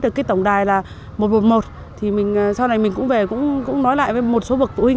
được cái tổng đài là một trăm một mươi một thì mình sau này mình cũng về cũng nói lại với một số bậc phụ huynh